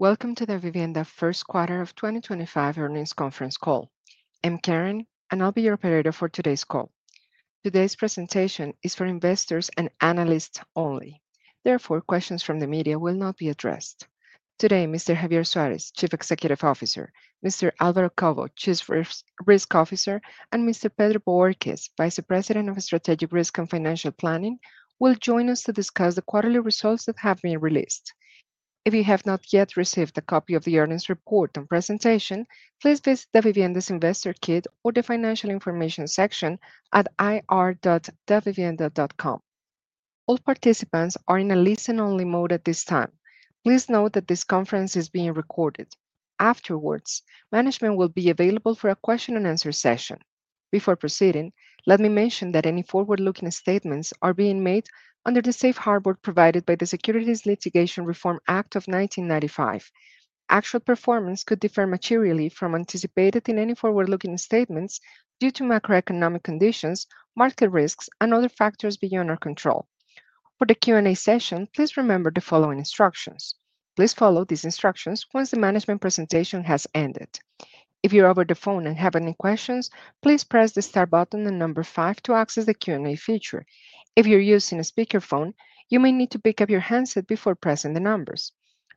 Welcome to the Davivienda First Quarter of 2025 Earnings Conference call. I'm Karen, and I'll be your operator for today's call. Today's presentation is for investors and analysts only. Therefore, questions from the media will not be addressed. Today, Mr. Javier Suárez, Chief Executive Officer; Mr. Álvaro Cobo, Chief Risk Officer; and Mr. Pedro Bohórquez, Vice President of Strategic Risk and Financial Planning, will join us to discuss the quarterly results that have been released. If you have not yet received a copy of the earnings report and presentation, please visit Davivienda's Investor Kit or the Financial Information section at ir.davivienda.com. All participants are in a listen-only mode at this time. Please note that this conference is being recorded. Afterwards, management will be available for a question-and-answer session. Before proceeding, let me mention that any forward-looking statements are being made under the safe harbor provided by the Securities Litigation Reform Act of 1995. Actual performance could differ materially from anticipated in any forward-looking statements due to macroeconomic conditions, market risks, and other factors beyond our control. For the Q&A session, please remember the following instructions. Please follow these instructions once the management presentation has ended. If you're over the phone and have any questions, please press the star button and number five to access the Q&A feature. If you're using a speakerphone, you may need to pick up your handset before pressing the numbers.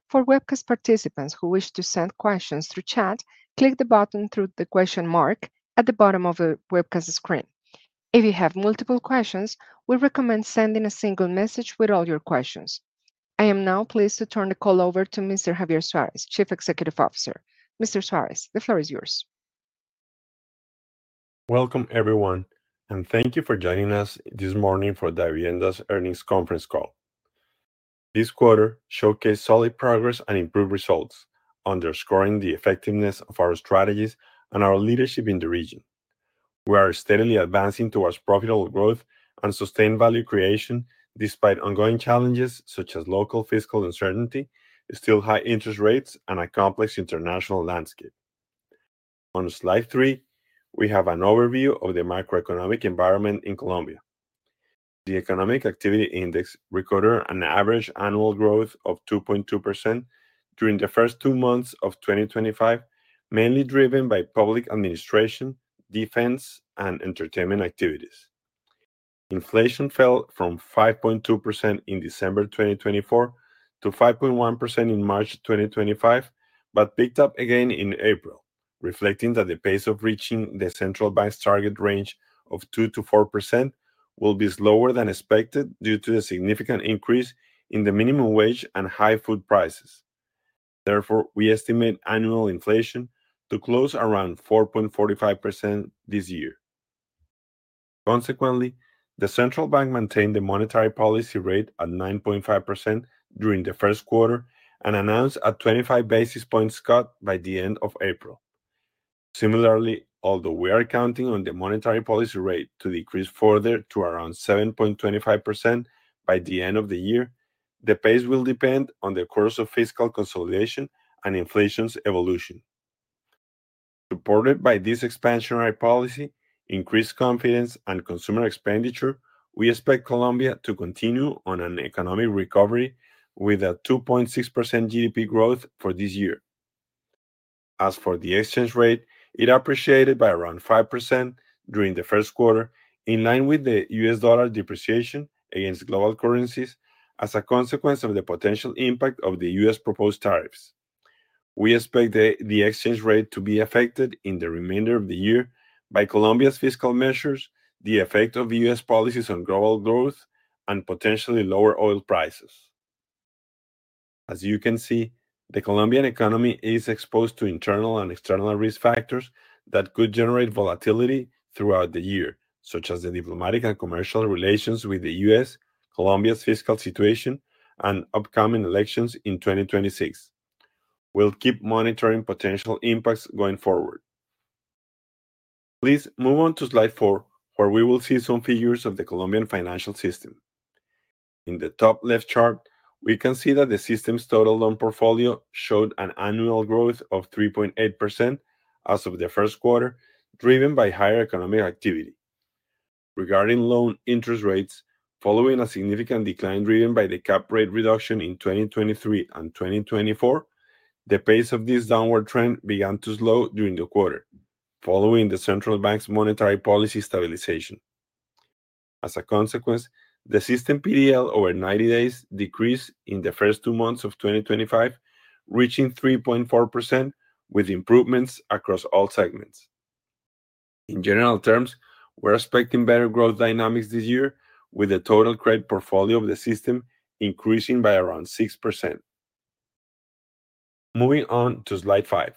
For webcast participants who wish to send questions through chat, click the button through the question mark at the bottom of the webcast screen. If you have multiple questions, we recommend sending a single message with all your questions. I am now pleased to turn the call over to Mr. Javier Suárez, Chief Executive Officer. Mr. Suárez, the floor is yours. Welcome, everyone, and thank you for joining us this morning for the Davivienda's earnings conference call. This quarter showcased solid progress and improved results, underscoring the effectiveness of our strategies and our leadership in the region. We are steadily advancing towards profitable growth and sustained value creation despite ongoing challenges such as local fiscal uncertainty, still high interest rates, and a complex international landscape. On Slide 3, we have an overview of the macroeconomic environment in Colombia. The Economic Activity Index recorded an average annual growth of 2.2% during the first two months of 2025, mainly driven by public administration, defense, and entertainment activities. Inflation fell from 5.2% in December 2024 to 5.1% in March 2025, but picked up again in April, reflecting that the pace of reaching the central bank's target range of 2%-4% will be slower than expected due to the significant increase in the minimum wage and high food prices. Therefore, we estimate annual inflation to close around 4.45% this year. Consequently, the central bank maintained the monetary policy rate at 9.5% during the first quarter and announced a 25 basis points cut by the end of April. Similarly, although we are counting on the monetary policy rate to decrease further to around 7.25% by the end of the year, the pace will depend on the course of fiscal consolidation and inflation's evolution. Supported by this expansionary policy, increased confidence, and consumer expenditure, we expect Colombia to continue on an economic recovery with a 2.6% GDP growth for this year. As for the exchange rate, it appreciated by around 5% during the first quarter, in line with the US dollar depreciation against global currencies as a consequence of the potential impact of the U.S. proposed tariffs. We expect the exchange rate to be affected in the remainder of the year by Colombia's fiscal measures, the effect of U.S. policies on global growth, and potentially lower oil prices. As you can see, the Colombian economy is exposed to internal and external risk factors that could generate volatility throughout the year, such as the diplomatic and commercial relations with the U.S., Colombia's fiscal situation, and upcoming elections in 2026. We'll keep monitoring potential impacts going forward. Please move on to Slide 4, where we will see some figures of the Colombian financial system. In the top left chart, we can see that the system's total loan portfolio showed an annual growth of 3.8% as of the first quarter, driven by higher economic activity. Regarding loan interest rates, following a significant decline driven by the cap rate reduction in 2023 and 2024, the pace of this downward trend began to slow during the quarter, following the central bank's monetary policy stabilization. As a consequence, the system [PDL] over 90 days decreased in the first two months of 2025, reaching 3.4%, with improvements across all segments. In general terms, we're expecting better growth dynamics this year, with the total credit portfolio of the system increasing by around 6%. Moving on to Slide 5.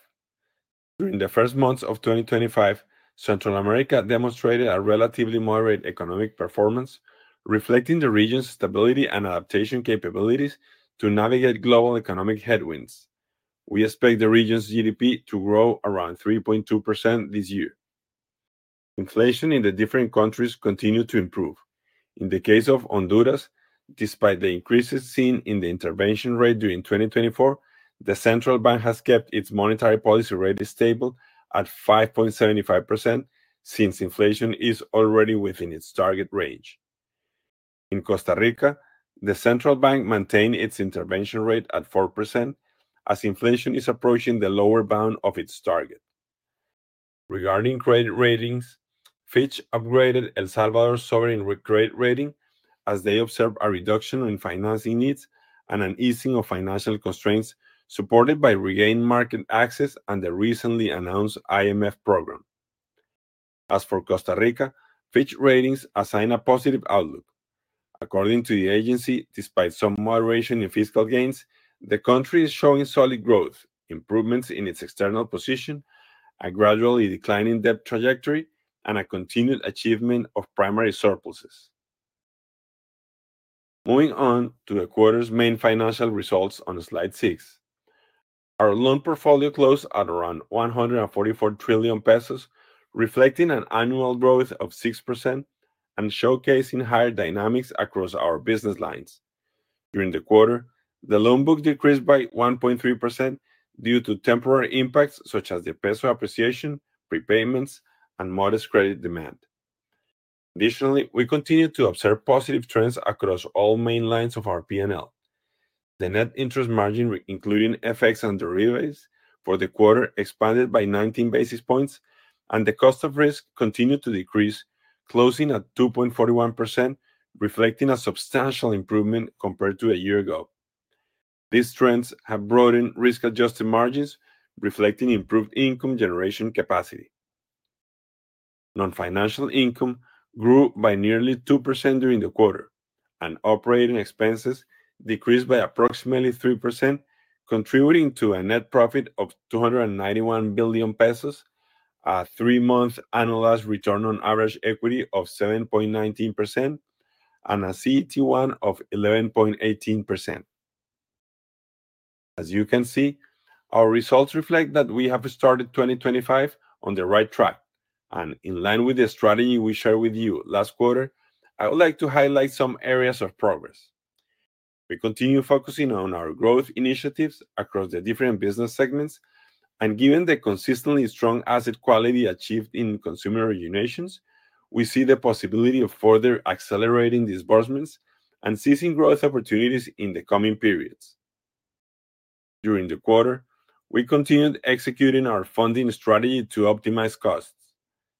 During the first months of 2025, Central America demonstrated a relatively moderate economic performance, reflecting the region's stability and adaptation capabilities to navigate global economic headwinds. We expect the region's GDP to grow around 3.2% this year. Inflation in the different countries continued to improve. In the case of Honduras, despite the increases seen in the intervention rate during 2024, the central bank has kept its monetary policy rate stable at 5.75% since inflation is already within its target range. In Costa Rica, the central bank maintained its intervention rate at 4% as inflation is approaching the lower bound of its target. Regarding credit ratings, Fitch upgraded El Salvador's sovereign credit rating as they observed a reduction in financing needs and an easing of financial constraints, supported by regained market access and the recently announced IMF program. As for Costa Rica, Fitch Ratings assign a positive outlook. According to the agency, despite some moderation in fiscal gains, the country is showing solid growth, improvements in its external position, a gradually declining debt trajectory, and a continued achievement of primary surpluses. Moving on to the quarter's main financial results on Slide 6. Our loan portfolio closed at around COP 144 trillion, reflecting an annual growth of 6% and showcasing higher dynamics across our business lines. During the quarter, the loan book decreased by 1.3% due to temporary impacts such as the peso appreciation, prepayments, and modest credit demand. Additionally, we continue to observe positive trends across all main lines of our P&L. The net interest margin, including FX under rebates for the quarter, expanded by 19 basis points, and the cost of risk continued to decrease, closing at 2.41%, reflecting a substantial improvement compared to a year ago. These trends have broadened risk-adjusted margins, reflecting improved income generation capacity. Non-financial income grew by nearly 2% during the quarter, and operating expenses decreased by approximately 3%, contributing to a net profit of COP 291 billion, a three-month annualized return on average equity of 7.19%, and a CET1 of 11.18%. As you can see, our results reflect that we have started 2025 on the right track. In line with the strategy we shared with you last quarter, I would like to highlight some areas of progress. We continue focusing on our growth initiatives across the different business segments, and given the consistently strong asset quality achieved in consumer originations, we see the possibility of further accelerating disbursements and seizing growth opportunities in the coming periods. During the quarter, we continued executing our funding strategy to optimize costs.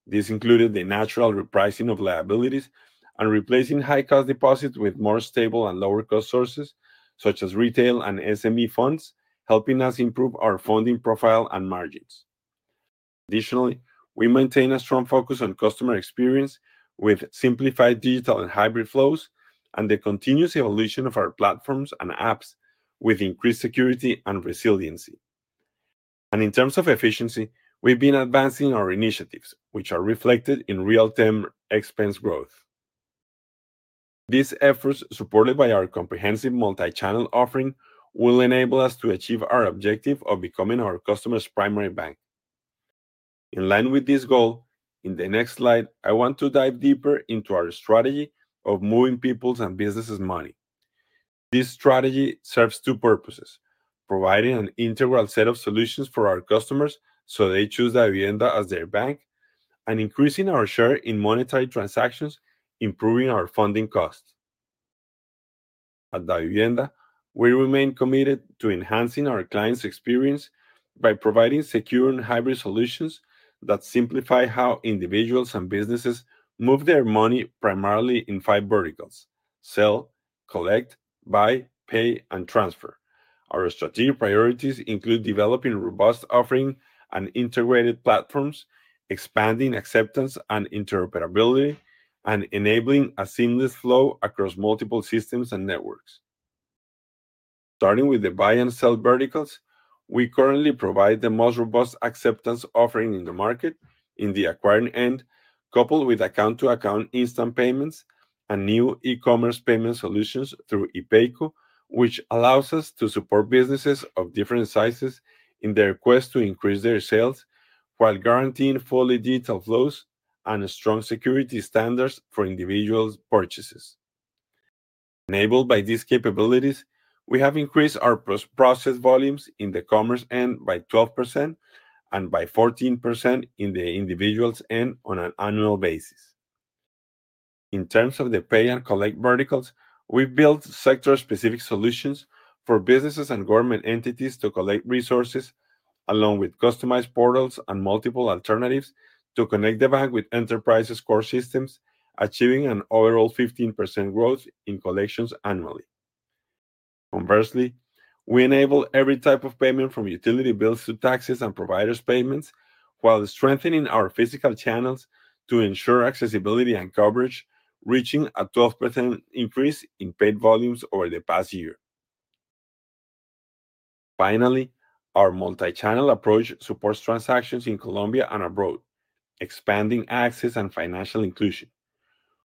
This included the natural repricing of liabilities and replacing high-cost deposits with more stable and lower-cost sources, such as retail and SMB funds, helping us improve our funding profile and margins. Additionally, we maintain a strong focus on customer experience with simplified digital and hybrid flows and the continuous evolution of our platforms and apps with increased security and resiliency. In terms of efficiency, we've been advancing our initiatives, which are reflected in real-time expense growth. These efforts, supported by our comprehensive multi-channel offering, will enable us to achieve our objective of becoming our customer's primary bank. In line with this goal, in the next slide, I want to dive deeper into our strategy of moving people's and businesses' money. This strategy serves two purposes: providing an integral set of solutions for our customers so they choose Davivienda as their bank, and increasing our share in monetary transactions, improving our funding costs. At Davivienda, we remain committed to enhancing our clients' experience by providing secure and hybrid solutions that simplify how individuals and businesses move their money primarily in five verticals: sell, collect, buy, pay, and transfer. Our strategic priorities include developing robust offerings and integrated platforms, expanding acceptance and interoperability, and enabling a seamless flow across multiple systems and networks. Starting with the buy and sell verticals, we currently provide the most robust acceptance offering in the market in the acquiring end, coupled with account-to-account instant payments and new e-commerce payment solutions through ePayco, which allows us to support businesses of different sizes in their quest to increase their sales while guaranteeing fully digital flows and strong security standards for individual purchases. Enabled by these capabilities, we have increased our process volumes in the commerce end by 12% and by 14% in the individuals end on an annual basis. In terms of the pay and collect verticals, we've built sector-specific solutions for businesses and government entities to collect resources, along with customized portals and multiple alternatives to connect the bank with enterprises' core systems, achieving an overall 15% growth in collections annually. Conversely, we enable every type of payment, from utility bills to taxes and providers' payments, while strengthening our physical channels to ensure accessibility and coverage, reaching a 12% increase in paid volumes over the past year. Finally, our multi-channel approach supports transactions in Colombia and abroad, expanding access and financial inclusion.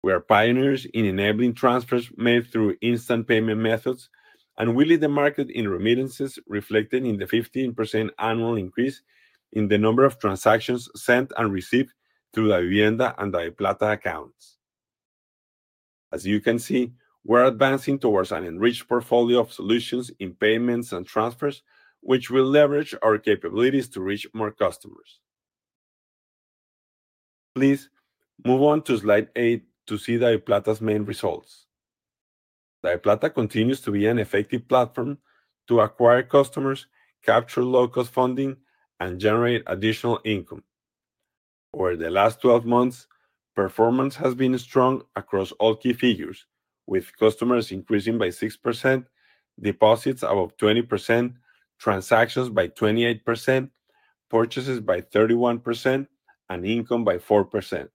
We are pioneers in enabling transfers made through instant payment methods, and we lead the market in remittances, reflected in the 15% annual increase in the number of transactions sent and received through Davivienda and DaviPlata accounts. As you can see, we're advancing towards an enriched portfolio of solutions in payments and transfers, which will leverage our capabilities to reach more customers. Please move on to Slide 8 to see DaviPlata's main results. DaviPlata continues to be an effective platform to acquire customers, capture low-cost funding, and generate additional income. Over the last 12 months, performance has been strong across all key figures, with customers increasing by 6%, deposits above 20%, transactions by 28%, purchases by 31%, and income by 4%.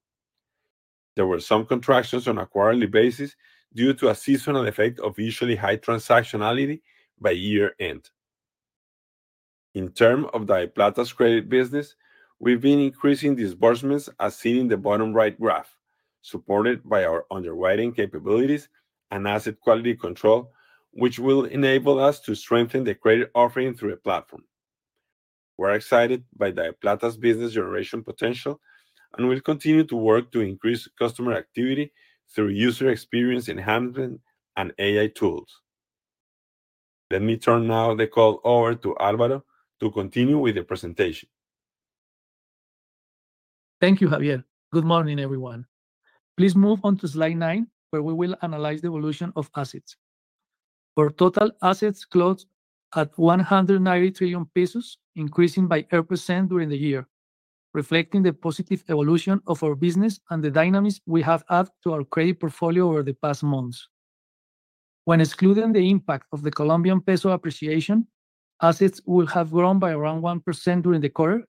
There were some contractions on a quarterly basis due to a seasonal effect of usually high transactionality by year-end. In terms of DaviPlata's credit business, we've been increasing disbursements as seen in the bottom right graph, supported by our underwriting capabilities and asset quality control, which will enable us to strengthen the credit offering through a platform. We're excited by DaviPlata's business generation potential and will continue to work to increase customer activity through user experience enhancement and AI tools. Let me turn now the call over to Álvaro to continue with the presentation. Thank you, Javier. Good morning, everyone. Please move on to Slide 9, where we will analyze the evolution of assets. Our total assets close at COP 190 trillion, increasing by [0%] during the year, reflecting the positive evolution of our business and the dynamics we have added to our credit portfolio over the past months. When excluding the impact of the Colombian peso appreciation, assets will have grown by around 1% during the quarter,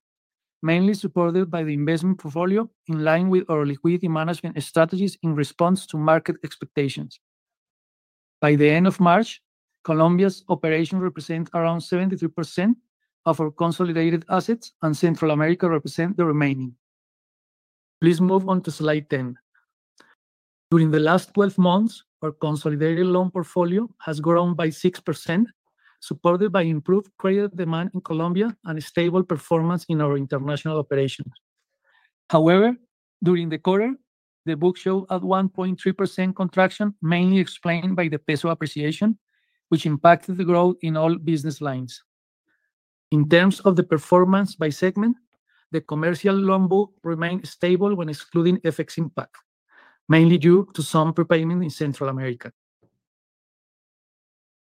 mainly supported by the investment portfolio in line with our liquidity management strategies in response to market expectations. By the end of March, Colombia's operations represent around 73% of our consolidated assets, and Central America represents the remaining. Please move on to Slide 10. During the last 12 months, our consolidated loan portfolio has grown by 6%, supported by improved credit demand in Colombia and stable performance in our international operations. However, during the quarter, the book showed a 1.3% contraction, mainly explained by the peso appreciation, which impacted the growth in all business lines. In terms of the performance by segment, the commercial loan book remained stable when excluding FX impact, mainly due to some prepayment in Central America.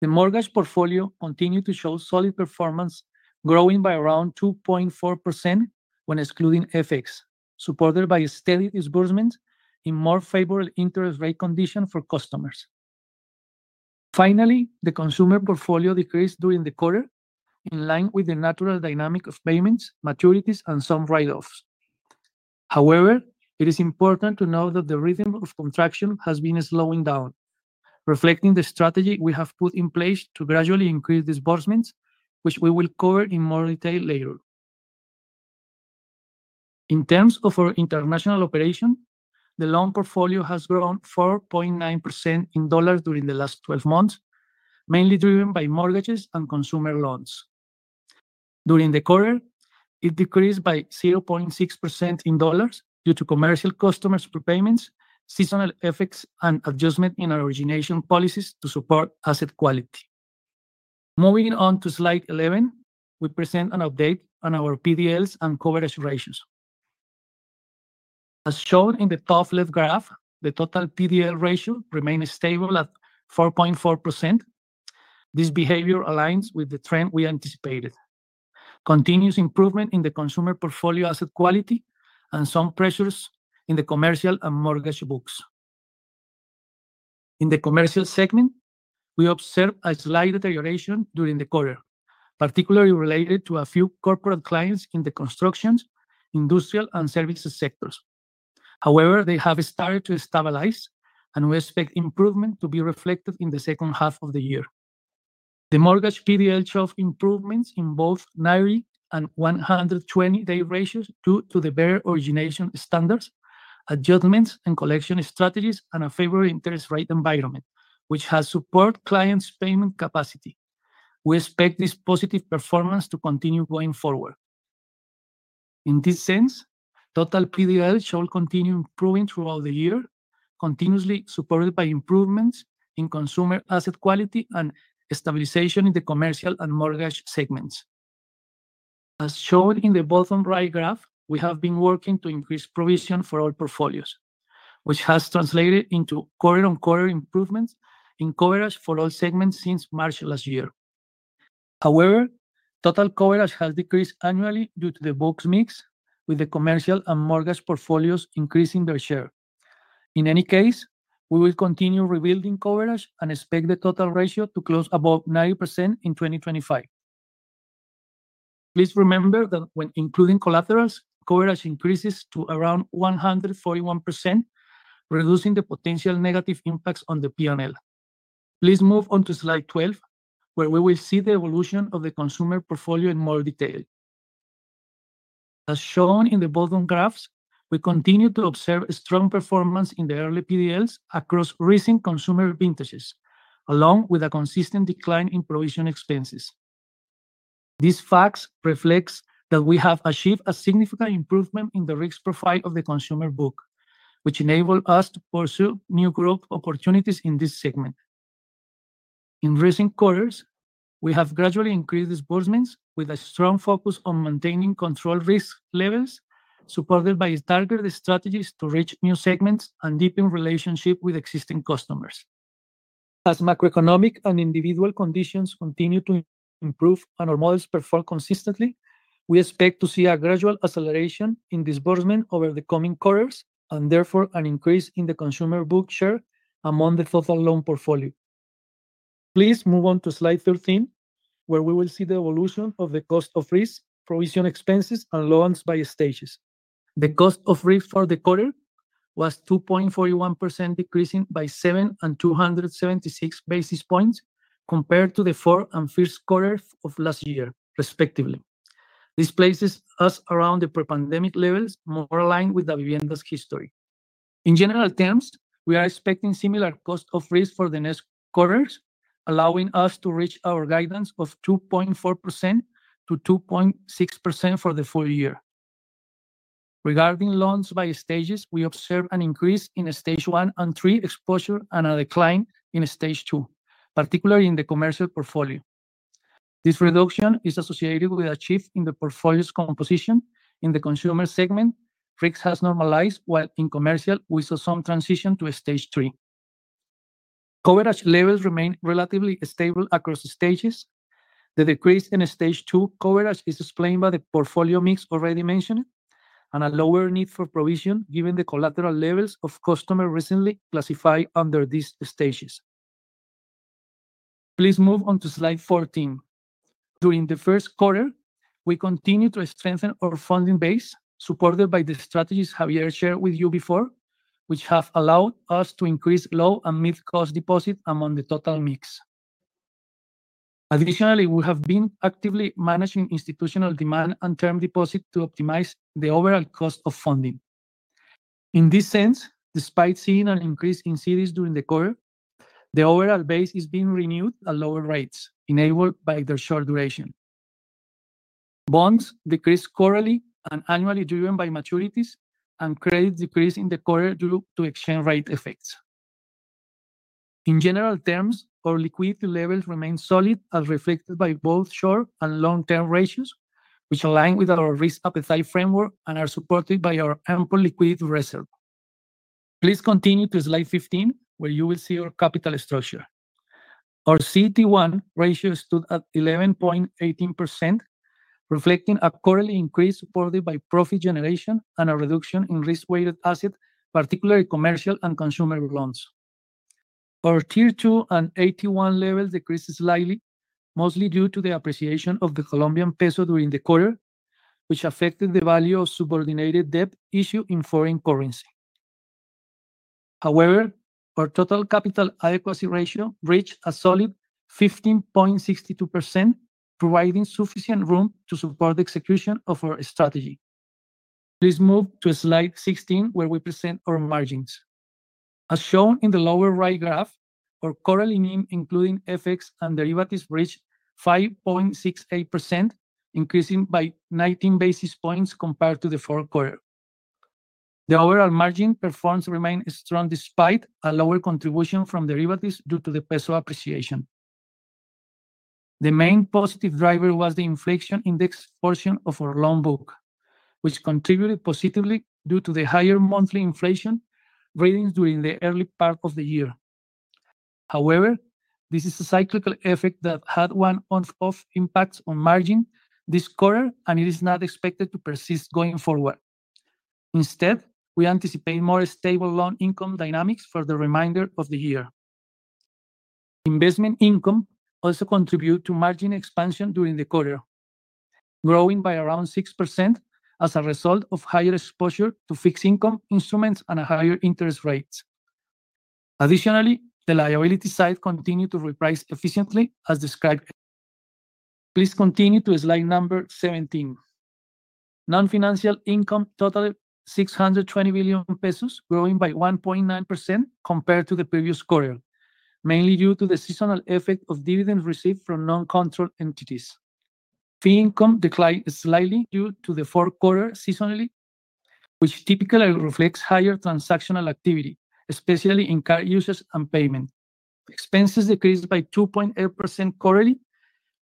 The mortgage portfolio continued to show solid performance, growing by around 2.4% when excluding FX, supported by steady disbursements in more favorable interest rate conditions for customers. Finally, the consumer portfolio decreased during the quarter, in line with the natural dynamic of payments, maturities, and some write-offs. However, it is important to note that the rhythm of contraction has been slowing down, reflecting the strategy we have put in place to gradually increase disbursements, which we will cover in more detail later. In terms of our international operations, the loan portfolio has grown 4.9% in dollars during the last 12 months, mainly driven by mortgages and consumer loans. During the quarter, it decreased by 0.6% in dollars due to commercial customers' prepayments, seasonal FX, and adjustment in our origination policies to support asset quality. Moving on to Slide 11, we present an update on our PDLs and coverage ratios. As shown in the top-left graph, the total PDL ratio remained stable at 4.4%. This behavior aligns with the trend we anticipated: continuous improvement in the consumer portfolio asset quality and some pressures in the commercial and mortgage books. In the commercial segment, we observed a slight deterioration during the quarter, particularly related to a few corporate clients in the construction, industrial, and services sectors. However, they have started to stabilize, and we expect improvement to be reflected in the second half of the year. The mortgage PDL showed improvements in both 90 and 120-day ratios due to the better origination standards, adjustments in collection strategies, and a favorable interest rate environment, which has supported clients' payment capacity. We expect this positive performance to continue going forward. In this sense, total PDLs shall continue improving throughout the year, continuously supported by improvements in consumer asset quality and stabilization in the commercial and mortgage segments. As shown in the bottom right graph, we have been working to increase provision for all portfolios, which has translated into quarter-on-quarter improvements in coverage for all segments since March last year. However, total coverage has decreased annually due to the book's mix, with the commercial and mortgage portfolios increasing their share. In any case, we will continue rebuilding coverage and expect the total ratio to close above 90% in 2025. Please remember that when including collaterals, coverage increases to around 141%, reducing the potential negative impacts on the P&L. Please move on to Slide 12, where we will see the evolution of the consumer portfolio in more detail. As shown in the bottom graphs, we continue to observe strong performance in the early PDLs across recent consumer vintages, along with a consistent decline in provision expenses. These facts reflect that we have achieved a significant improvement in the risk profile of the consumer book, which enabled us to pursue new growth opportunities in this segment. In recent quarters, we have gradually increased disbursements, with a strong focus on maintaining controlled risk levels, supported by targeted strategies to reach new segments and deepen relationships with existing customers. As macroeconomic and individual conditions continue to improve and our models perform consistently, we expect to see a gradual acceleration in disbursement over the coming quarters and, therefore, an increase in the consumer book share among the total loan portfolio. Please move on to Slide 13, where we will see the evolution of the cost of risk, provision expenses, and loans by stages. The cost of risk for the quarter was 2.41%, decreasing by 7 and 276 basis points compared to the fourth and fifth quarters of last year, respectively. This places us around the pre-pandemic levels, more aligned with Davivienda's history. In general terms, we are expecting similar cost of risk for the next quarters, allowing us to reach our guidance of 2.4%-2.6% for the full year. Regarding loans by stages, we observe an increase in stage one and three exposure and a decline in stage two, particularly in the commercial portfolio. This reduction is associated with a shift in the portfolio's composition. In the consumer segment, risk has normalized, while in commercial, we saw some transition to stage three. Coverage levels remain relatively stable across stages. The decrease in stage two coverage is explained by the portfolio mix already mentioned and a lower need for provision, given the collateral levels of customers recently classified under these stages. Please move on to Slide 14. During the first quarter, we continue to strengthen our funding base, supported by the strategies Javier shared with you before, which have allowed us to increase low and mid-cost deposits among the total mix. Additionally, we have been actively managing institutional demand and term deposits to optimize the overall cost of funding. In this sense, despite seeing an increase in CDs during the quarter, the overall base is being renewed at lower rates, enabled by their short duration. Bonds decreased quarterly and annually, driven by maturities, and credit decreased in the quarter due to exchange rate effects. In general terms, our liquidity levels remain solid, as reflected by both short and long-term ratios, which align with our risk appetite framework and are supported by our ample liquidity reserve. Please continue to Slide 15, where you will see our capital structure. Our CET1 ratio stood at 11.18%, reflecting a quarterly increase supported by profit generation and a reduction in risk-weighted assets, particularly commercial and consumer loans. Our Tier 2 and AT1 levels decreased slightly, mostly due to the appreciation of the Colombian peso during the quarter, which affected the value of subordinated debt issued in foreign currency. However, our total capital adequacy ratio reached a solid 15.62%, providing sufficient room to support the execution of our strategy. Please move to Slide 16, where we present our margins. As shown in the lower right graph, our quarterly NIM, including FX and derivatives, reached 5.68%, increasing by 19 basis points compared to the fourth quarter. The overall margin performance remained strong despite a lower contribution from derivatives due to the peso appreciation. The main positive driver was the inflation index portion of our loan book, which contributed positively due to the higher monthly inflation ratings during the early part of the year. However, this is a cyclical effect that had one-off impacts on margin this quarter, and it is not expected to persist going forward. Instead, we anticipate more stable loan income dynamics for the remainder of the year. Investment income also contributed to margin expansion during the quarter, growing by around 6% as a result of higher exposure to fixed income instruments and a higher interest rate. Additionally, the liability side continued to reprice efficiently, as described. Please continue to Slide number 17. Non-financial income totaled COP 620 billion, growing by 1.9% compared to the previous quarter, mainly due to the seasonal effect of dividends received from non-controlled entities. Fee income declined slightly due to the fourth quarter seasonality, which typically reflects higher transactional activity, especially in card usage and payment. Expenses decreased by 2.8% quarterly,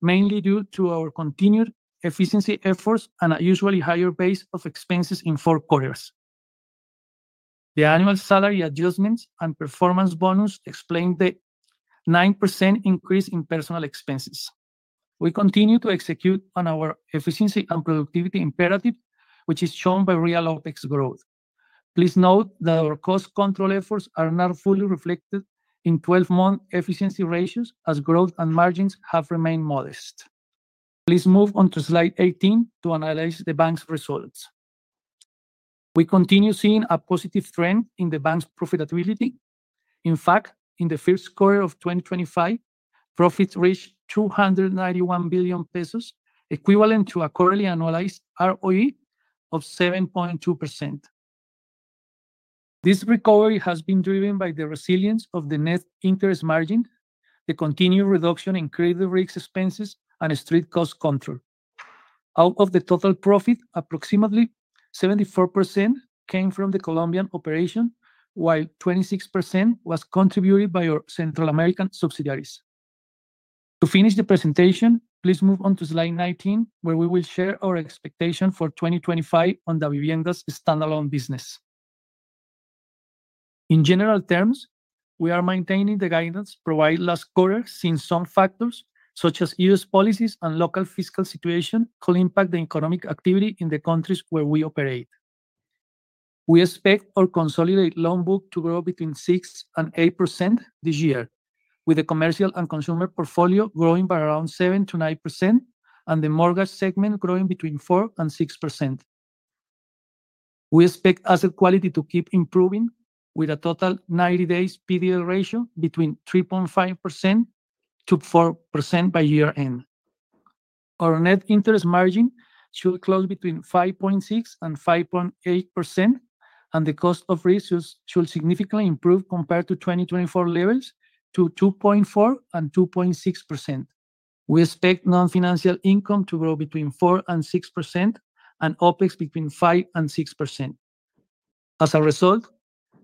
mainly due to our continued efficiency efforts and a usually higher base of expenses in fourth quarters. The annual salary adjustments and performance bonus explained the 9% increase in personal expenses. We continue to execute on our efficiency and productivity imperative, which is shown by real OpEx growth. Please note that our cost control efforts are not fully reflected in 12-month efficiency ratios, as growth and margins have remained modest. Please move on to Slide 18 to analyze the bank's results. We continue seeing a positive trend in the bank's profitability. In fact, in the fifth quarter of 2025, profits reached COP 291 billion, equivalent to a quarterly annualized ROE of 7.2%. This recovery has been driven by the resilience of the net interest margin, the continued reduction in credit risk expenses, and strict cost control. Out of the total profit, approximately 74% came from the Colombian operation, while 26% was contributed by our Central American subsidiaries. To finish the presentation, please move on to Slide 19, where we will share our expectations for 2025 on Davivienda's standalone business. In general terms, we are maintaining the guidance provided last quarter since some factors, such as U.S. Policies and local fiscal situation could impact the economic activity in the countries where we operate. We expect our consolidated loan book to grow between 6%-8% this year, with the commercial and consumer portfolio growing by around 7%-9% and the mortgage segment growing between 4%-6%. We expect asset quality to keep improving, with a total 90-day PDL ratio between 3.5%-4% by year-end. Our net interest margin should close between 5.6%-5.8%, and the cost of risk should significantly improve compared to 2024 levels to 2.4%-2.6%. We expect non-financial income to grow between 4%-6% and OpEx between 5%-6%. As a result,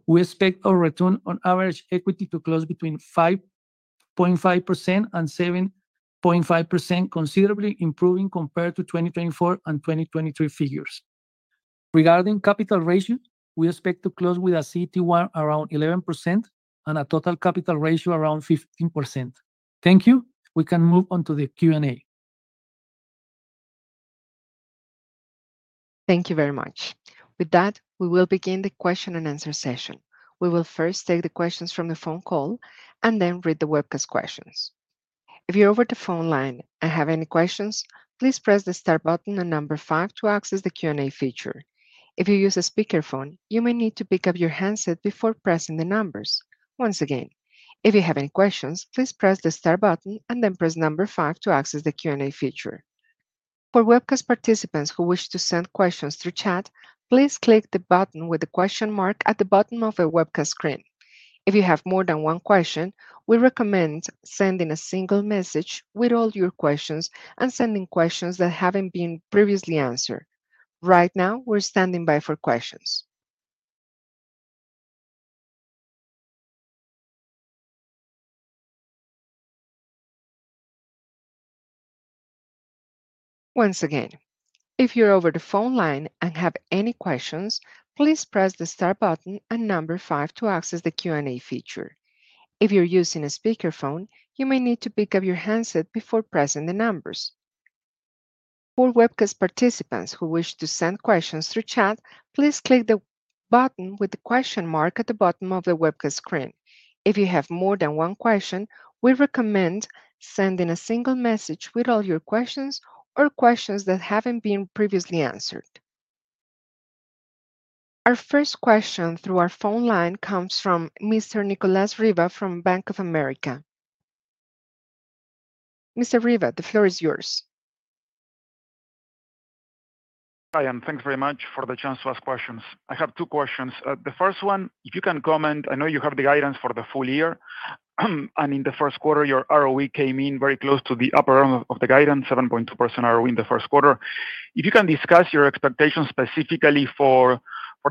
we expect our return on average equity to close between 5.5%-7.5%, considerably improving compared to 2024 and 2023 figures. Regarding capital ratio, we expect to close with a CET1 around 11% and a total capital ratio around 15%. Thank you. We can move on to the Q&A. Thank you very much. With that, we will begin the question-and-answer session. We will first take the questions from the phone call and then read the webcast questions. If you're over the phone line and have any questions, please press the star button and number five to access the Q&A feature. If you use a speakerphone, you may need to pick up your handset before pressing the numbers. Once again, if you have any questions, please press the star button and then press number five to access the Q&A feature. For webcast participants who wish to send questions through chat, please click the button with the question mark at the bottom of a webcast screen. If you have more than one question, we recommend sending a single message with all your questions and sending questions that have not been previously answered. Right now, we are standing by for questions. Once again, if you are over the phone line and have any questions, please press the star button and number five to access the Q&A feature. If you are using a speakerphone, you may need to pick up your handset before pressing the numbers. For webcast participants who wish to send questions through chat, please click the button with the question mark at the bottom of the webcast screen. If you have more than one question, we recommend sending a single message with all your questions or questions that have not been previously answered. Our first question through our phone line comes from Mr. Nicolas Riva from Bank of America. Mr. Riva, the floor is yours. Hi, and thanks very much for the chance to ask questions. I have two questions. The first one, if you can comment, I know you have the guidance for the full year, and in the first quarter, your ROE came in very close to the upper end of the guidance, 7.2% ROE in the first quarter. If you can discuss your expectations specifically for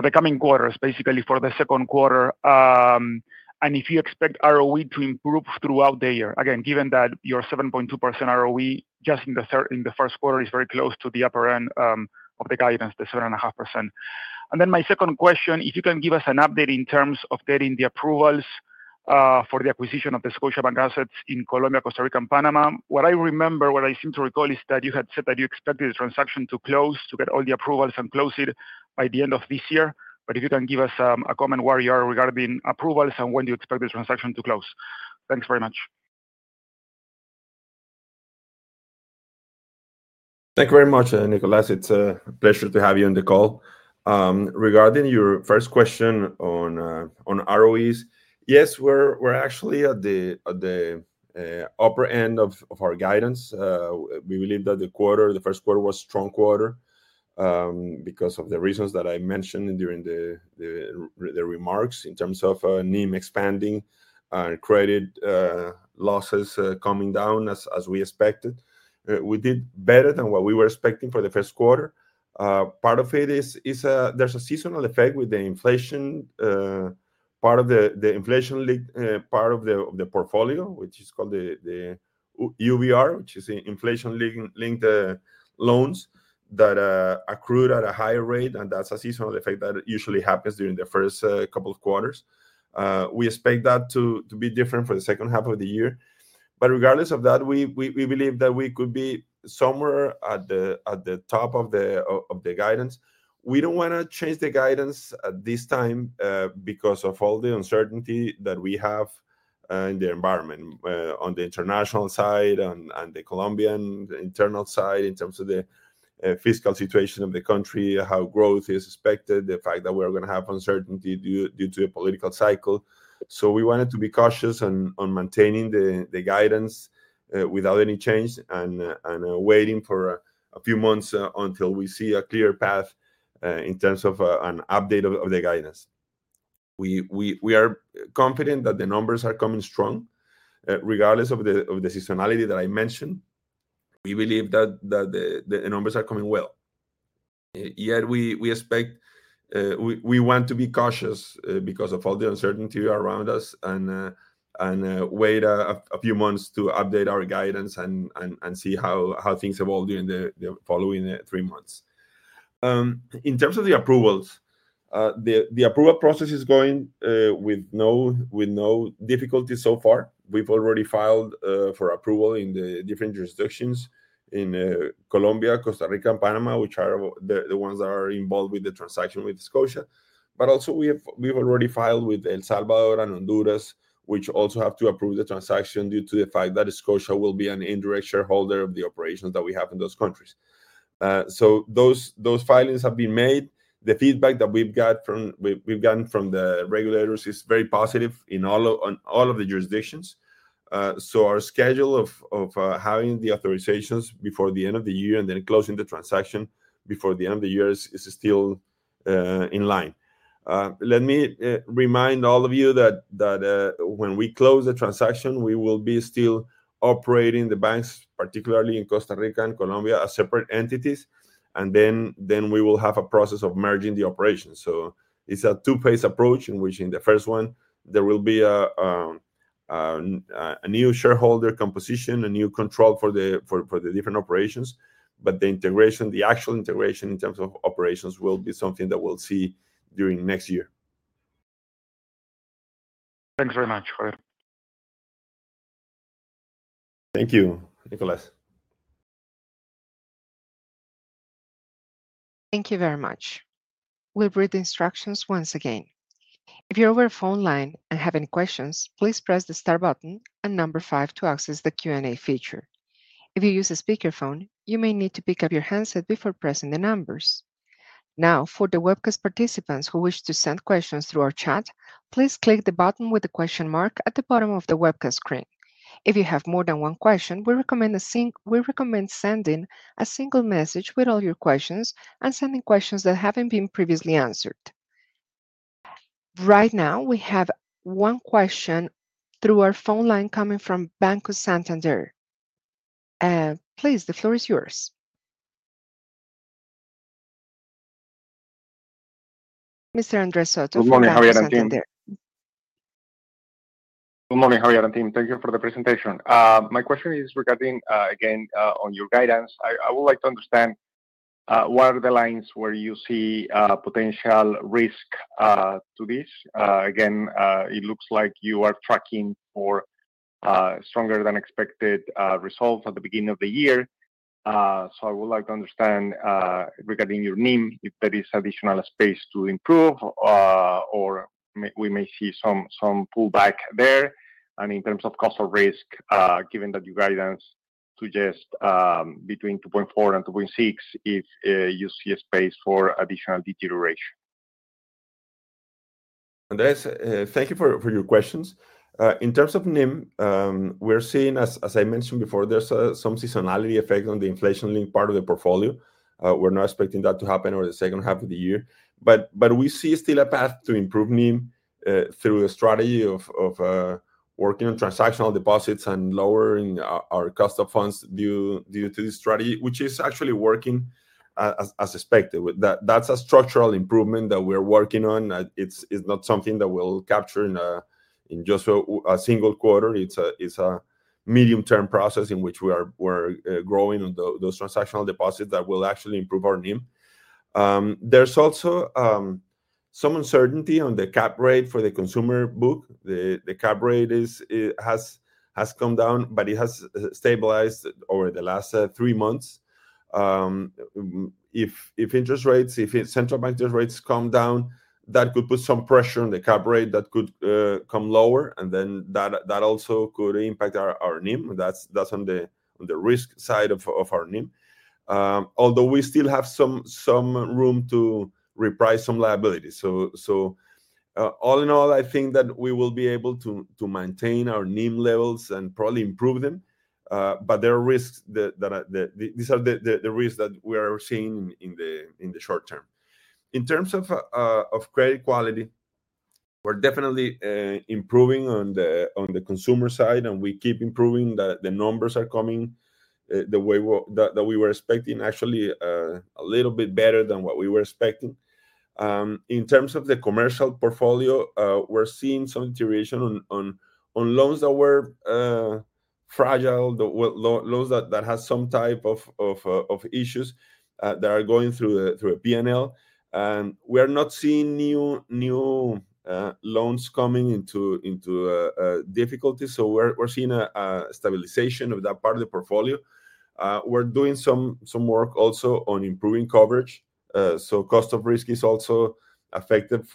the coming quarters, basically for the second quarter, and if you expect ROE to improve throughout the year, again, given that your 7.2% ROE just in the first quarter is very close to the upper end of the guidance, the 7.5%. My second question, if you can give us an update in terms of getting the approvals for the acquisition of the Scotiabank assets in Colombia, Costa Rica, and Panama. What I remember, what I seem to recall, is that you had said that you expected the transaction to close, to get all the approvals and close it by the end of this year. If you can give us a comment where you are regarding approvals and when you expect the transaction to close. Thanks very much. Thank you very much, Nicolas. It is a pleasure to have you on the call. Regarding your first question on ROEs, yes, we are actually at the upper end of our guidance. We believe that the quarter, the first quarter, was a strong quarter because of the reasons that I mentioned during the remarks in terms of NIM expanding and credit losses coming down as we expected. We did better than what we were expecting for the first quarter. Part of it is there's a seasonal effect with the inflation, part of the inflation-linked part of the portfolio, which is called the UVR, which is inflation-linked loans that accrued at a higher rate, and that's a seasonal effect that usually happens during the first couple of quarters. We expect that to be different for the second half of the year. Regardless of that, we believe that we could be somewhere at the top of the guidance. We don't want to change the guidance at this time because of all the uncertainty that we have in the environment on the international side and the Colombian internal side in terms of the fiscal situation of the country, how growth is expected, the fact that we're going to have uncertainty due to a political cycle. We wanted to be cautious on maintaining the guidance without any change and waiting for a few months until we see a clear path in terms of an update of the guidance. We are confident that the numbers are coming strong. Regardless of the seasonality that I mentioned, we believe that the numbers are coming well. Yet, we expect we want to be cautious because of all the uncertainty around us and wait a few months to update our guidance and see how things evolve during the following three months. In terms of the approvals, the approval process is going with no difficulty so far. We've already filed for approval in the different jurisdictions in Colombia, Costa Rica, and Panama, which are the ones that are involved with the transaction with Scotia. Also, we've already filed with El Salvador and Honduras, which also have to approve the transaction due to the fact that Scotia will be an indirect shareholder of the operations that we have in those countries. Those filings have been made. The feedback that we've got from the regulators is very positive in all of the jurisdictions. Our schedule of having the authorizations before the end of the year and then closing the transaction before the end of the year is still in line. Let me remind all of you that when we close the transaction, we will be still operating the banks, particularly in Costa Rica and Colombia, as separate entities, and then we will have a process of merging the operations. It's a two-phase approach in which in the first one, there will be a new shareholder composition, a new control for the different operations, but the integration, the actual integration in terms of operations will be something that we'll see during next year. Thanks very much. Thank you, Nicolas. Thank you very much. We'll read the instructions once again. If you're over the phone line and have any questions, please press the star button and number five to access the Q&A feature. If you use a speakerphone, you may need to pick up your handset before pressing the numbers. Now, for the webcast participants who wish to send questions through our chat, please click the button with the question mark at the bottom of the webcast screen. If you have more than one question, we recommend sending a single message with all your questions and sending questions that have not been previously answered. Right now, we have one question through our phone line coming from Banco Santander. Please, the floor is yours. Mr. Andres Soto, from Banco Santander. Good morning. Thank you for the presentation. My question is regarding, again, on your guidance. I would like to understand what are the lines where you see potential risk to this. Again, it looks like you are tracking for stronger-than-expected results at the beginning of the year. I would like to understand regarding your NIM, if there is additional space to improve, or we may see some pullback there. In terms of cost of risk, given that your guidance suggests between 2.4% and 2.6%, if you see a space for additional deterioration. Andres, thank you for your questions. In terms of NIM, we're seeing, as I mentioned before, there's some seasonality effect on the inflation-linked part of the portfolio. We're not expecting that to happen over the second half of the year. We see still a path to improve NIM through the strategy of working on transactional deposits and lowering our cost of funds due to this strategy, which is actually working as expected. That is a structural improvement that we're working on. It's not something that we'll capture in just a single quarter. It's a medium-term process in which we are growing on those transactional deposits that will actually improve our NIM. There's also some uncertainty on the cap rate for the consumer book. The cap rate has come down, but it has stabilized over the last three months. If interest rates, if central bank interest rates come down, that could put some pressure on the cap rate that could come lower, and then that also could impact our NIM. That is on the risk side of our NIM, although we still have some room to reprice some liabilities. All in all, I think that we will be able to maintain our NIM levels and probably improve them, but there are risks. These are the risks that we are seeing in the short term. In terms of credit quality, we are definitely improving on the consumer side, and we keep improving. The numbers are coming the way that we were expecting, actually a little bit better than what we were expecting. In terms of the commercial portfolio, we're seeing some deterioration on loans that were fragile, loans that have some type of issues that are going through a P&L. We are not seeing new loans coming into difficulty. We're seeing a stabilization of that part of the portfolio. We're doing some work also on improving coverage. Cost of risk is also affected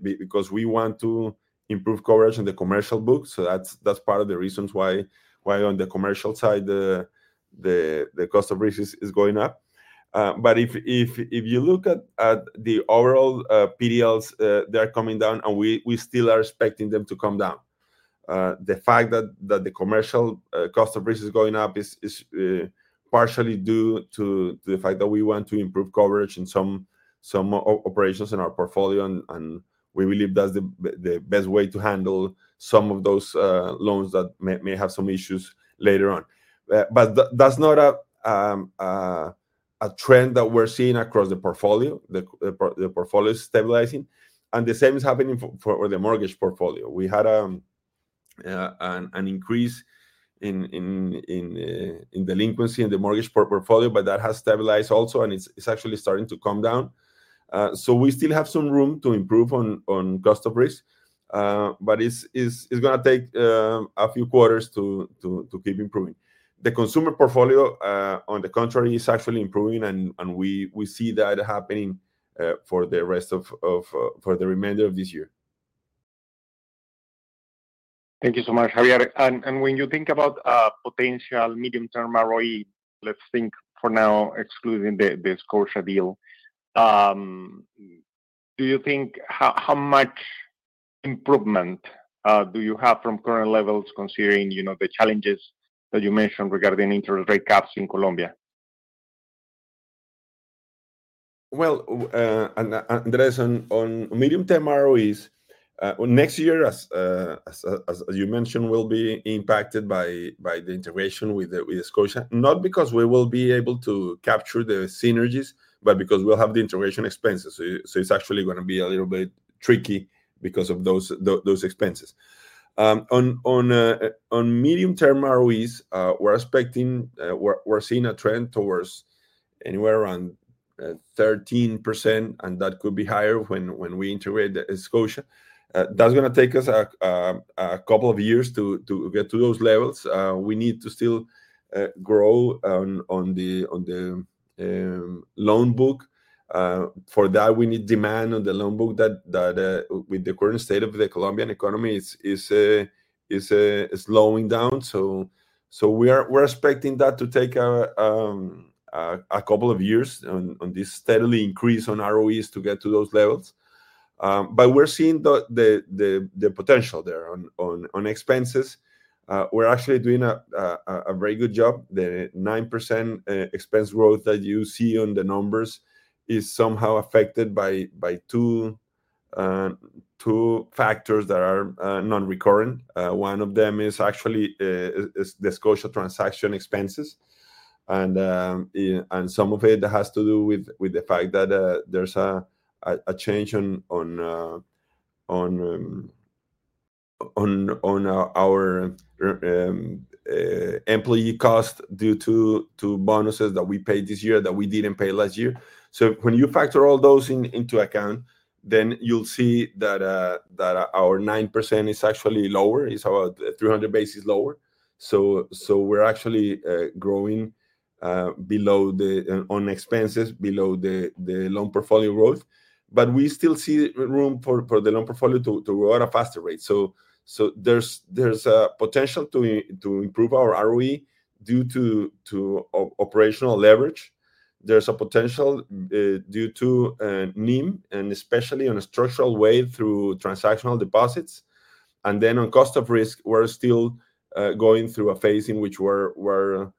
because we want to improve coverage on the commercial book. That's part of the reasons why on the commercial side, the cost of risk is going up. If you look at the overall PDLs, they're coming down, and we still are expecting them to come down. The fact that the commercial cost of risk is going up is partially due to the fact that we want to improve coverage in some operations in our portfolio, and we believe that's the best way to handle some of those loans that may have some issues later on. That is not a trend that we're seeing across the portfolio. The portfolio is stabilizing. The same is happening for the mortgage portfolio. We had an increase in delinquency in the mortgage portfolio, but that has stabilized also, and it's actually starting to come down. We still have some room to improve on cost of risk, but it's going to take a few quarters to keep improving. The consumer portfolio, on the contrary, is actually improving, and we see that happening for the remainder of this year. Thank you so much, Javier. When you think about potential medium-term ROE, let's think for now, excluding the Scotia deal, do you think how much improvement do you have from current levels considering the challenges that you mentioned regarding interest rate caps in Colombia? Andres, on medium-term ROEs, next year, as you mentioned, will be impacted by the integration with Scotia, not because we will be able to capture the synergies, but because we'll have the integration expenses. It's actually going to be a little bit tricky because of those expenses. On medium-term ROEs, we're expecting we're seeing a trend towards anywhere around 13%, and that could be higher when we integrate Scotia. That's going to take us a couple of years to get to those levels. We need to still grow on the loan book. For that, we need demand on the loan book that, with the current state of the Colombian economy, is slowing down. We're expecting that to take a couple of years on this steadily increase on ROEs to get to those levels. We're seeing the potential there on expenses. We're actually doing a very good job. The 9% expense growth that you see on the numbers is somehow affected by two factors that are non-recurrent. One of them is actually the Scotia transaction expenses. Some of it has to do with the fact that there's a change on our employee cost due to bonuses that we paid this year that we didn't pay last year. When you factor all those into account, you'll see that our 9% is actually lower. It's about 300 basis points lower. We're actually growing below the on expenses, below the loan portfolio growth. We still see room for the loan portfolio to grow at a faster rate. There's a potential to improve our ROE due to operational leverage. There's a potential due to NIM, and especially in a structural way through transactional deposits. On cost of risk, we're still going through a phase in which we're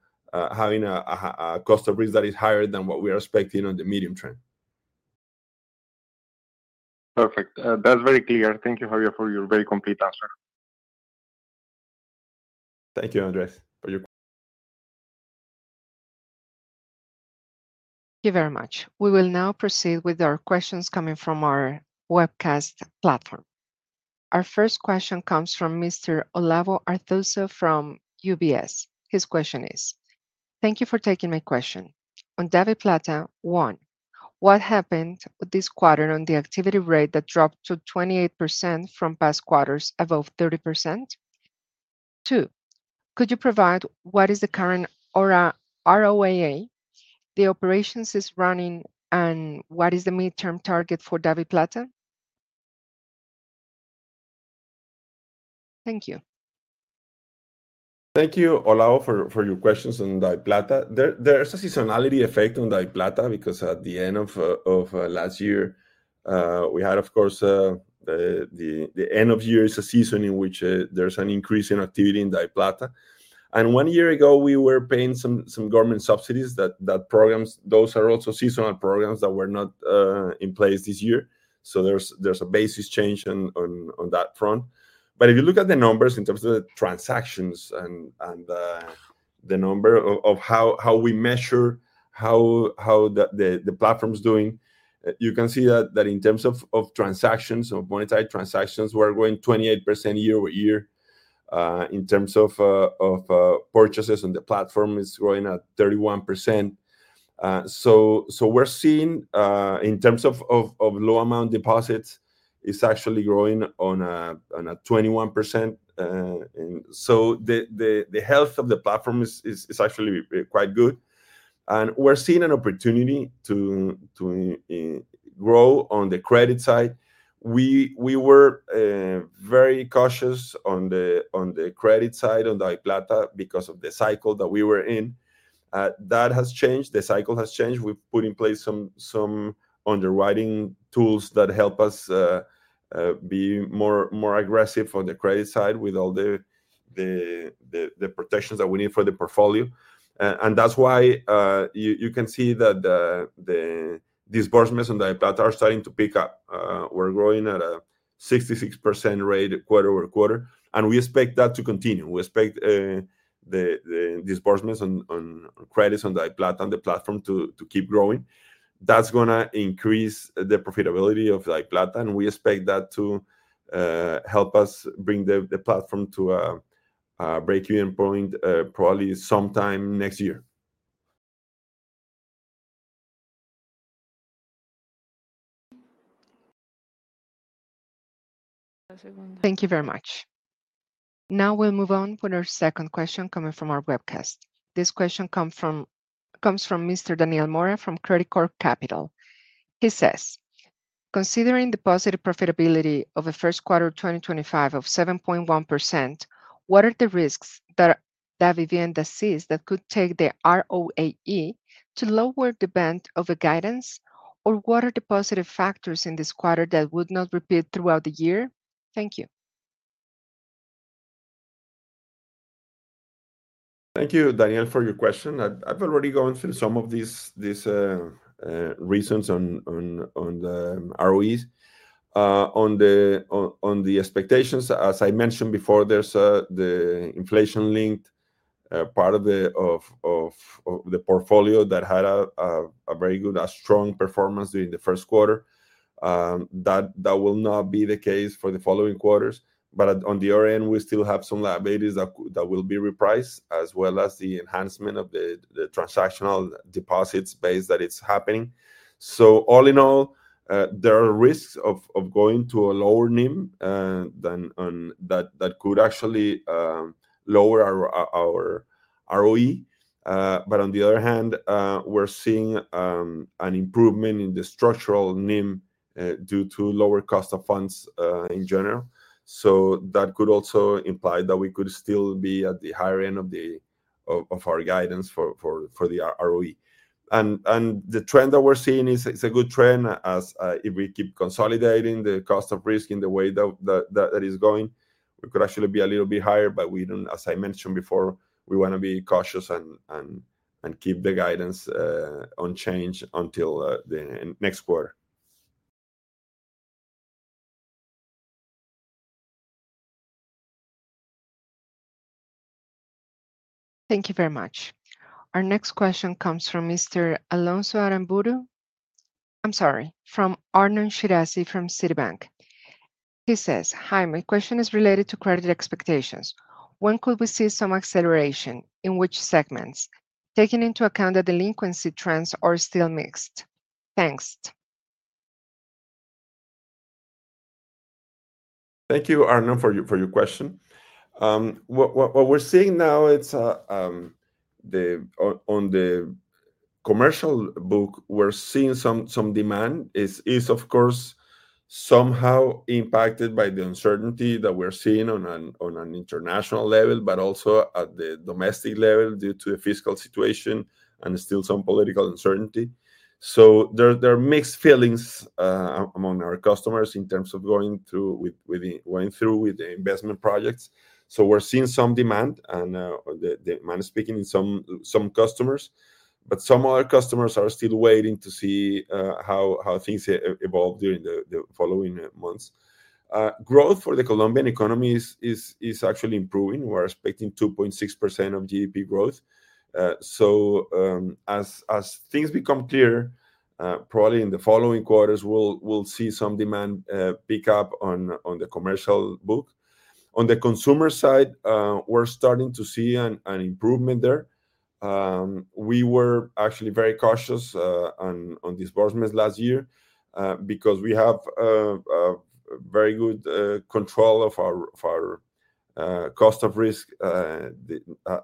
having a cost of risk that is higher than what we are expecting in the medium term. Perfect. That's very clear. Thank you, Javier, for your very complete answer. Thank you, Andres, for your question. Thank you very much. We will now proceed with our questions coming from our webcast platform. Our first question comes from Mr. Olavo Arthuzo from UBS. His question is, "Thank you for taking my question. On DaviPlata, one, what happened this quarter on the activity rate that dropped to 28% from past quarters above 30%? Two, could you provide what is the current ROAA, the operations is running, and what is the midterm target for DaviPlata? Thank you. Thank you, Olavo, for your questions on DaviPlata. There is a seasonality effect on DaviPlata because at the end of last year, we had, of course, the end of year is a season in which there is an increase in activity in DaviPlata. And one year ago, we were paying some government subsidies that programs, those are also seasonal programs that were not in place this year. There is a basis change on that front. If you look at the numbers in terms of the transactions and the number of how we measure how the platform's doing, you can see that in terms of transactions, of monetary transactions, we're going 28% year over year. In terms of purchases on the platform, it's growing at 31%. We're seeing in terms of low-amount deposits, it's actually growing on a 21%. The health of the platform is actually quite good. We're seeing an opportunity to grow on the credit side. We were very cautious on the credit side on DaviPlata because of the cycle that we were in. That has changed. The cycle has changed. We've put in place some underwriting tools that help us be more aggressive on the credit side with all the protections that we need for the portfolio. That is why you can see that disbursements on DaviPlata are starting to pick up. We are growing at a 66% rate quarter over quarter. We expect that to continue. We expect the disbursements on credits on DaviPlata and the platform to keep growing. That is going to increase the profitability of DaviPlata. We expect that to help us bring the platform to a breakeven point probably sometime next year. Thank you very much. Now we will move on to our second question coming from our webcast. This question comes from Mr. Daniel Mora from Credicorp Capital. He says, "Considering the positive profitability of the first quarter 2025 of 7.1%, what are the risks that Davivienda sees that could take the ROAE to lower the band of a guidance, or what are the positive factors in this quarter that would not repeat throughout the year?" Thank you. Thank you, Daniel, for your question. I've already gone through some of these reasons on the ROEs. On the expectations, as I mentioned before, there's the inflation-linked part of the portfolio that had a very good, strong performance during the first quarter. That will not be the case for the following quarters. On the other end, we still have some liabilities that will be repriced, as well as the enhancement of the transactional deposits base that is happening. All in all, there are risks of going to a lower NIM than that could actually lower our ROE. On the other hand, we're seeing an improvement in the structural NIM due to lower cost of funds in general. That could also imply that we could still be at the higher end of our guidance for the ROE. The trend that we're seeing is a good trend. If we keep consolidating the cost of risk in the way that it is going, we could actually be a little bit higher. As I mentioned before, we want to be cautious and keep the guidance unchanged until the next quarter. Thank you very much. Our next question comes from Mr. Alonso Aramburu. I'm sorry, from Arnon Shirazi from Citibank. He says, "Hi, my question is related to credit expectations. When could we see some acceleration in which segments, taking into account that delinquency trends are still mixed?" Thanks. Thank you, Arnon, for your question. What we're seeing now on the commercial book, we're seeing some demand is, of course, somehow impacted by the uncertainty that we're seeing on an international level, but also at the domestic level due to the fiscal situation and still some political uncertainty. There are mixed feelings among our customers in terms of going through with the investment projects. We're seeing some demand, and demand is peaking in some customers. Some other customers are still waiting to see how things evolve during the following months. Growth for the Colombian economy is actually improving. We're expecting 2.6% of GDP growth. As things become clear, probably in the following quarters, we'll see some demand pick up on the commercial book. On the consumer side, we're starting to see an improvement there. We were actually very cautious on disbursements last year because we have very good control of our cost of risk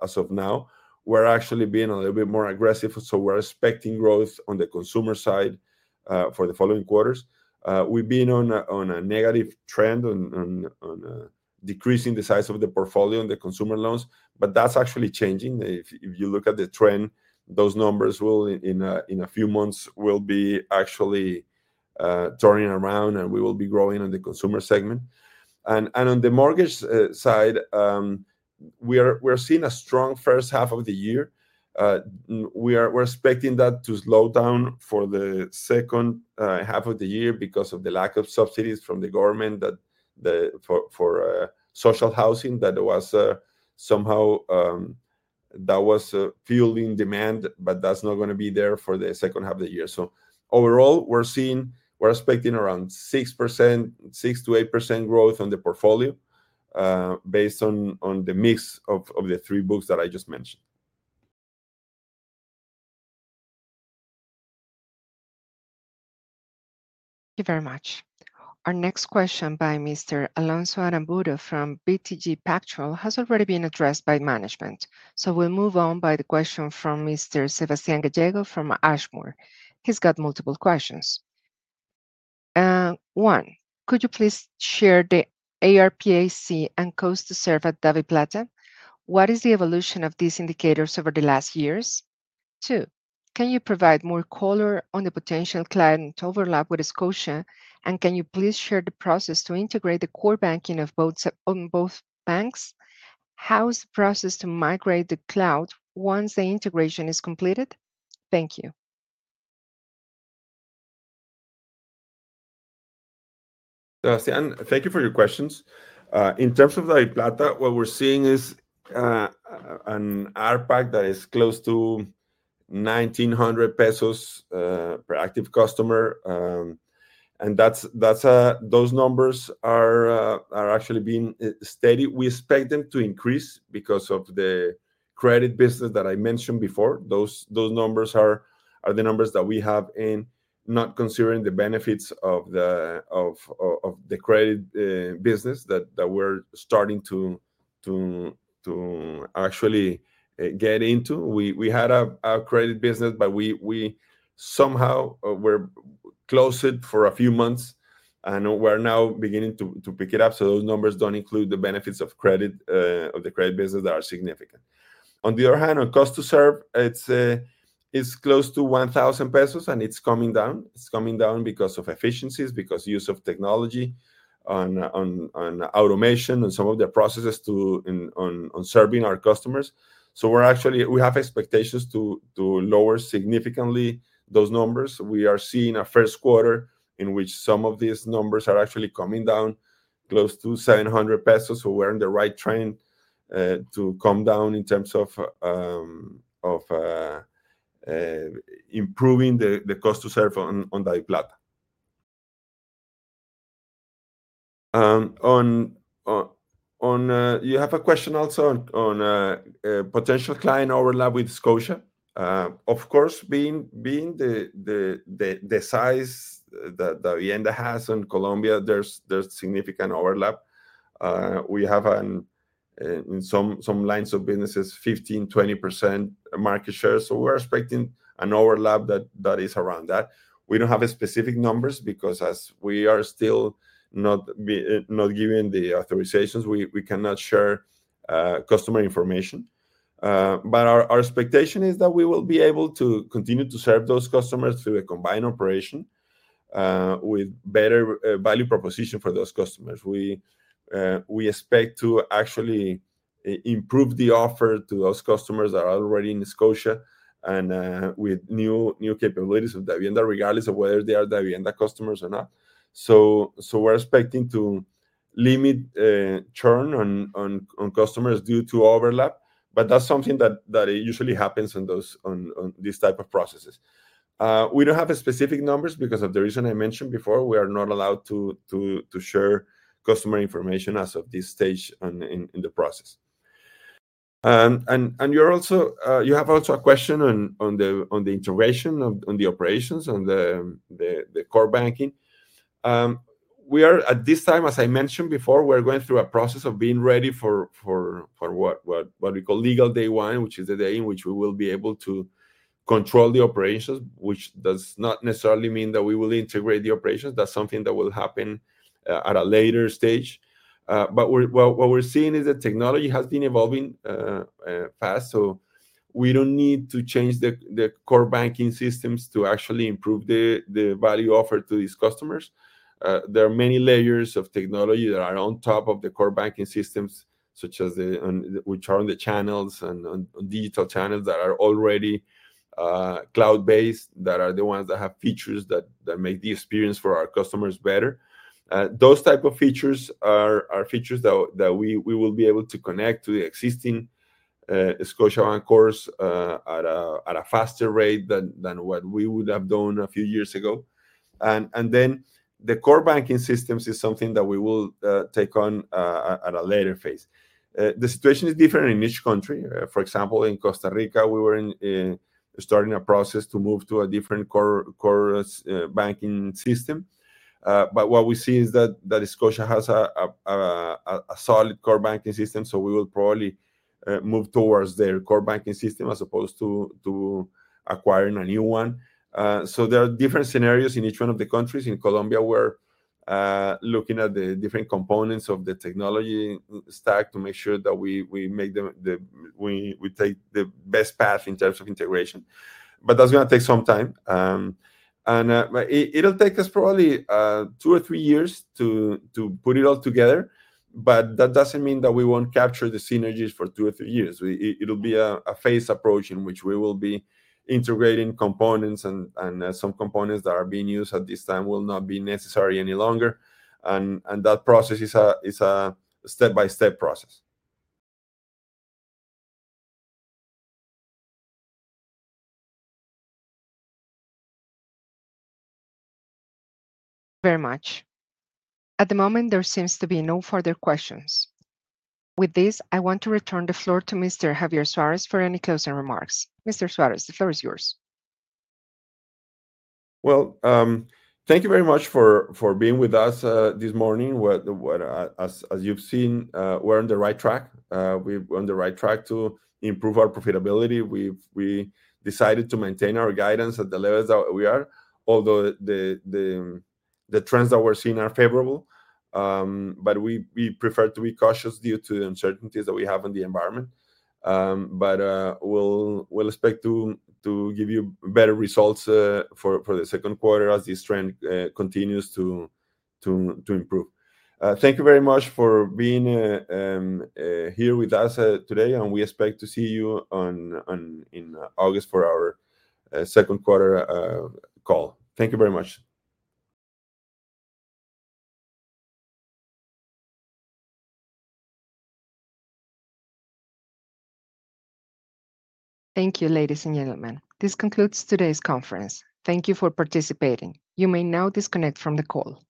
as of now. We're actually being a little bit more aggressive. We are expecting growth on the consumer side for the following quarters. We have been on a negative trend on decreasing the size of the portfolio on the consumer loans. That is actually changing. If you look at the trend, those numbers in a few months will be actually turning around, and we will be growing on the consumer segment. On the mortgage side, we are seeing a strong first half of the year. We are expecting that to slow down for the second half of the year because of the lack of subsidies from the government for social housing that was somehow fueling demand, but that is not going to be there for the second half of the year. Overall, we're expecting around 6%, 6-8% growth on the portfolio based on the mix of the three books that I just mentioned. Thank you very much. Our next question by Mr. Alonso Aramburu from BTG Pactual has already been addressed by management. We'll move on by the question from Mr. Sebastián Gallego from Ashmore. He's got multiple questions. One, could you please share the ARPAC and cost to serve at DaviPlata? What is the evolution of these indicators over the last years? Two, can you provide more color on the potential client overlap with Scotia? Can you please share the process to integrate the core banking on both banks? How is the process to migrate the cloud once the integration is completed? Thank you. Sebastián, thank you for your questions. In terms of DaviPlata, what we're seeing is an ARPAC that is close to COP 1,900 per active customer. Those numbers are actually being steady. We expect them to increase because of the credit business that I mentioned before. Those numbers are the numbers that we have in, not considering the benefits of the credit business that we're starting to actually get into. We had a credit business, but we somehow were closed for a few months, and we're now beginning to pick it up. Those numbers do not include the benefits of the credit business that are significant. On the other hand, on cost to serve, it is close to COP 1,000, and it is coming down. It is coming down because of efficiencies, because of use of technology, automation, and some of the processes on serving our customers. We have expectations to lower significantly those numbers. We are seeing a first quarter in which some of these numbers are actually coming down close to COP 700. So we're on the right train to come down in terms of improving the cost to serve on DaviPlata. You have a question also on potential client overlap with Scotia. Of course, being the size that Davivienda has on Colombia, there's significant overlap. We have, in some lines of businesses, 15%-20% market share. So we're expecting an overlap that is around that. We don't have specific numbers because, as we are still not giving the authorizations, we cannot share customer information. But our expectation is that we will be able to continue to serve those customers through a combined operation with better value proposition for those customers. We expect to actually improve the offer to those customers that are already in Scotia and with new capabilities of Davivienda, regardless of whether they are Davivienda customers or not. We are expecting to limit churn on customers due to overlap. That is something that usually happens in these types of processes. We do not have specific numbers because of the reason I mentioned before. We are not allowed to share customer information at this stage in the process. You have also a question on the integration, on the operations, on the core banking. At this time, as I mentioned before, we are going through a process of being ready for what we call legal day one, which is the day in which we will be able to control the operations, which does not necessarily mean that we will integrate the operations. That's something that will happen at a later stage. What we're seeing is that technology has been evolving fast. We don't need to change the core banking systems to actually improve the value offered to these customers. There are many layers of technology that are on top of the core banking systems, which are on the channels and digital channels that are already cloud-based, that are the ones that have features that make the experience for our customers better. Those types of features are features that we will be able to connect to the existing Scotia on course at a faster rate than what we would have done a few years ago. The core banking systems is something that we will take on at a later phase. The situation is different in each country. For example, in Costa Rica, we were starting a process to move to a different core banking system. What we see is that Scotia has a solid core banking system. We will probably move towards their core banking system as opposed to acquiring a new one. There are different scenarios in each one of the countries. In Colombia, we're looking at the different components of the technology stack to make sure that we take the best path in terms of integration. That is going to take some time. It'll take us probably two or three years to put it all together. That does not mean that we will not capture the synergies for two or three years. It will be a phased approach in which we will be integrating components. Some components that are being used at this time will not be necessary any longer. That process is a step-by-step process. Thank you very much. At the moment, there seems to be no further questions. With this, I want to return the floor to Mr. Javier Suárez for any closing remarks. Mr. Suárez, the floor is yours. Thank you very much for being with us this morning. As you've seen, we're on the right track. We're on the right track to improve our profitability. We decided to maintain our guidance at the level that we are, although the trends that we're seeing are favorable. We prefer to be cautious due to the uncertainties that we have in the environment. We expect to give you better results for the second quarter as this trend continues to improve. Thank you very much for being here with us today. We expect to see you in August for our second quarter call. Thank you very much. Thank you, ladies and gentlemen. This concludes today's conference. Thank you for participating. You may now disconnect from the call.